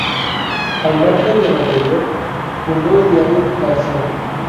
Al margen de lo anterior, fundó el diario "La Acción".